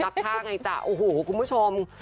นับท่าไงจ๊ะคุณผู้ชม